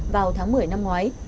vào tháng một mươi năm ngoái